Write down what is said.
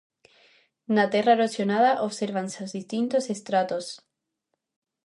Na terra erosionada, obsérvanse os distintos estratos.